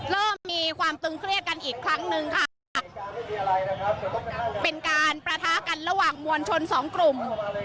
เริ่มมีความตึงเครียดกันอีกครั้งหนึ่งค่ะเป็นการประทะกันระหว่างมวลชนสองกลุ่ม